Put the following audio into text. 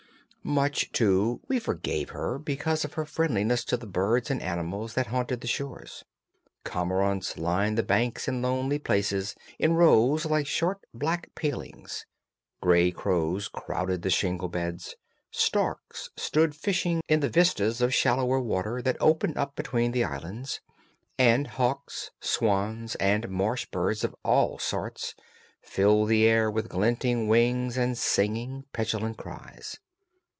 Much, too, we forgave her because of her friendliness to the birds and animals that haunted the shores. Cormorants lined the banks in lonely places in rows like short black palings; grey crows crowded the shingle beds; storks stood fishing in the vistas of shallower water that opened up between the islands, and hawks, swans, and marsh birds of all sorts filled the air with glinting wings and singing, petulant cries.